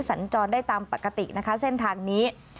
สัญจรได้ตามปกตินะคะเส้นทางนี้